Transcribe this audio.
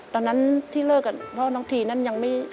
ตอนนั้นที่เลิกกับพ่อน้องทีนั้นยังไม่